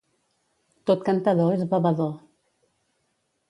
Tot cantador és bevedor.